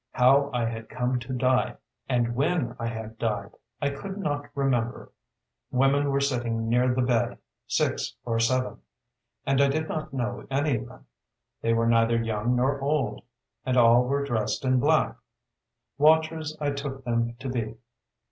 How I had come to die, and when I had died, I could not remember. Women were sitting near the bed, six or seven, and I did not know any of them. They were neither young nor old, and all were dressed in black: watchers I took them to be.